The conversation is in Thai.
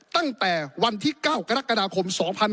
ตั้งแต่วันที่๙กรกฎาคม๒๕๖๒